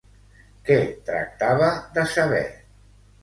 Què tractava de saber?